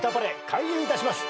開演いたします。